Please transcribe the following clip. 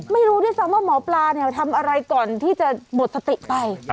ไม่รู้ด้วยซ้ำว่าหมอปลาเนี่ยทำอะไรก่อนที่จะหมดสติไป